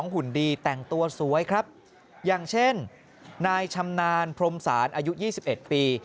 หุ่นดีแต่งตัวสวยครับอย่างเช่นนายชำนาญพรมศาลอายุ๒๑ปี